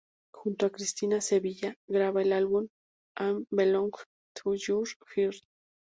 Junto a Cristina Sevilla graba el álbum "I Belong To Your Heart".